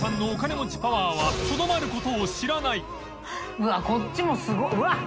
うわこっちもすごいうわっ